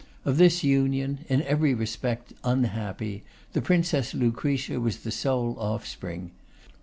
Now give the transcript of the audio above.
Of this union, in every respect unhappy, the Princess Lucretia was the sole offspring.